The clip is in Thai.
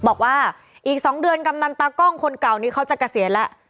บอกว่าอีก๒เดือนกำนันตากล้องคนเก่านี้เขาจะเกษียณแล้ว